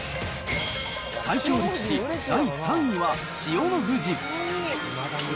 最強力士第３位は千代の富士。